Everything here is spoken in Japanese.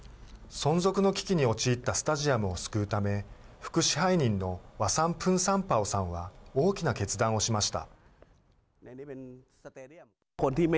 存続の危機に陥ったスタジアムを救うため副支配人のワサン・プンサンパオさんは大きな決断をしました。